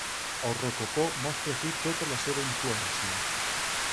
El rococó mostra aquí tota la seva influència.